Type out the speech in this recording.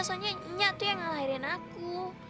soalnya iya tuh yang ngalahirin aku